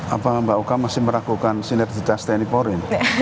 apa mbak oka masih meragukan sinergitas tni polri